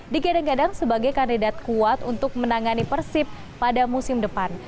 digadang gadang sebagai kandidat kuat untuk menangani persib pada musim depan